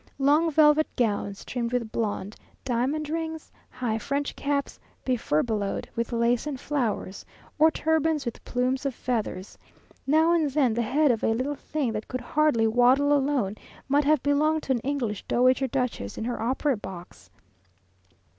Long velvet gowns trimmed with blonde, diamond earrings, high French caps befurbelowed with lace and flowers, or turbans with plumes of feathers. Now and then the head of a little thing that could hardly waddle alone, might have belonged to an English dowager duchess in her opera box.